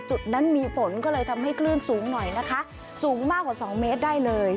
จุดนั้นมีฝนก็เลยทำให้คลื่นสูงหน่อยนะคะสูงมากกว่า๒เมตรได้เลย